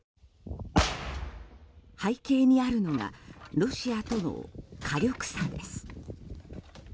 背景にあるのがロシアとの火力差です。